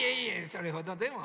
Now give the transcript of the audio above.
それほどでも。